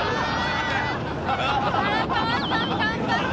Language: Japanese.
「荒川さん頑張って！」